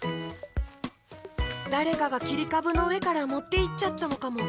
だれかがきりかぶのうえからもっていっちゃったのかも。